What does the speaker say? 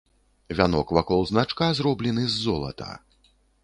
Вянок вакол значка зроблены з золата.